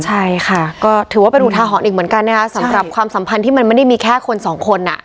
ใช่ค่ะก็ถือว่าเป็นอุทาหรณ์อีกเหมือนกันนะคะสำหรับความสัมพันธ์ที่มันไม่ได้มีแค่คนสองคนอ่ะ